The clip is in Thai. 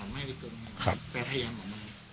ไม่เกินครับไปทะเยี่ยมหรือไม่เกินครับ